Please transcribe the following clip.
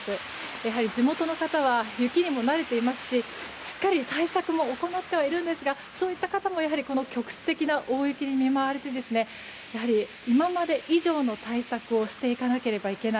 やはり地元の方は雪にも慣れていますししっかりと対策も行ってはいるんですがそういった方も局地的な大雪に見舞われてやはり今まで以上の対策をしていかなければいけない